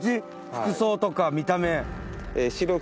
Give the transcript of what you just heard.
服装とか見た目。